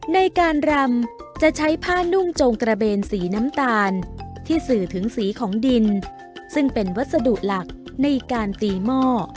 ในการรำจะใช้ผ้านุ่งจงกระเบนสีน้ำตาลที่สื่อถึงสีของดินซึ่งเป็นวัสดุหลักในการตีหม้อ